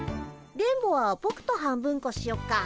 電ボはぼくと半分こしよっか。